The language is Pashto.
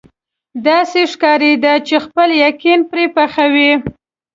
داسې ښکارېده چې خپل یقین پرې پخوي.